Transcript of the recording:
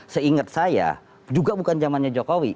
seingat saya juga bukan zamannya jokowi